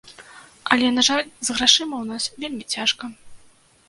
Але, на жаль, з грашыма ў нас вельмі цяжка.